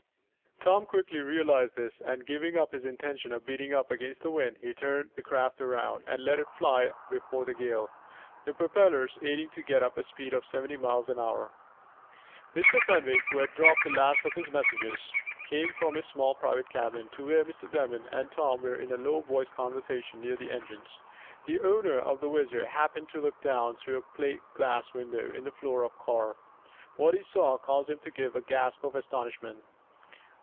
Tom quickly realized this, and, giving up his intention of beating up against the wind, he turned the craft around, and let it fly before the gale, the propellers aiding to get up a speed of seventy miles an hour. Mr. Fenwick, who had dropped the last of his messages, came from his small private cabin, to where Mr. Damon and Tom were in a low voiced conversation near the engines. The owner of the WHIZZER, happened to look down through a plate glass window in the floor of car. What he saw caused him to give a gasp of astonishment.